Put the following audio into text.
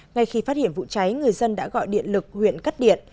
ngay khi phát hiện vụ cháy người dân đã gọi điện lực huyện cắt điện